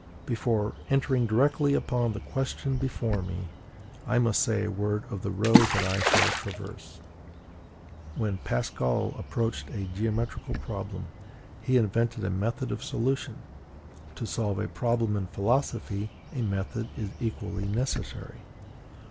Before entering directly upon the question before me, I must say a word of the road that I shall traverse. When Pascal approached a geometrical problem, he invented a method of solution; to solve a problem in philosophy a method is equally necessary.